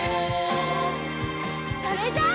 それじゃあ。